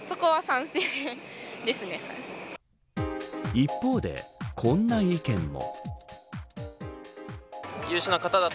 一方でこんな意見も。